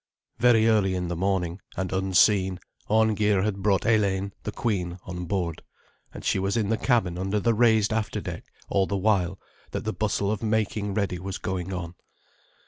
Very early in the morning, and unseen, Arngeir had brought Eleyn, the queen, on board, and she was in the cabin under the raised after deck all the while that the bustle of making ready was going on.